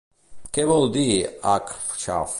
Què vol dir Acxaf?